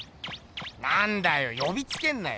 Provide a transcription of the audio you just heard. なんだよよびつけんなよ。